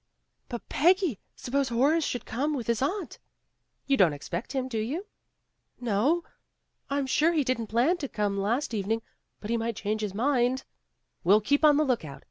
"But, Peggy, suppose Horace should come with his aunt !'' "You don't expect him, do you?" "No. I'm sure he didn't plan to come last evening. But he might change his mind." "We'll keep on the look out.